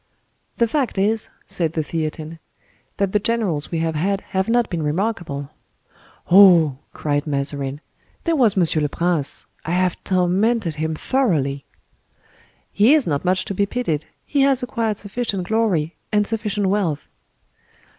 "The fact is," said the Theatin, "that the generals we have had have not been remarkable." "Oh!" cried Mazarin, "there was Monsieur le Prince. I have tormented him thoroughly!" "He is not much to be pitied: he has acquired sufficient glory, and sufficient wealth."